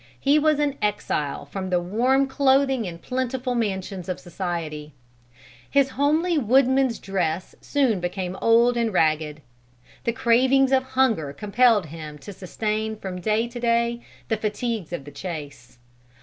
He was an exile from the warm clothing and plentiful mansions of society. His homely woodman's dress soon became old and ragged. The cravings of hunger compelled him to sustain from day to day the fatigues of the chase.